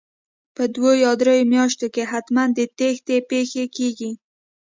په دوو یا درو میاشتو کې حتمن د تېښتې پېښې کیږي